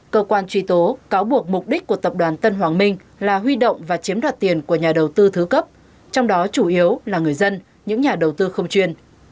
cơ quan truy tố cáo buộc mục đích của tập đoàn tân hoàng minh là huy động và chiếm đoạt tiền của nhà đầu tư thứ cấp trong đó chủ yếu là người dân những nhà đầu tư không chuyên